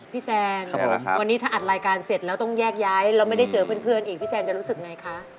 แซนวันนี้ถ้าอัดรายการเสร็จแล้วต้องแยกย้ายแล้วไม่ได้เจอเพื่อนอีกพี่แซนจะรู้สึกไงคะ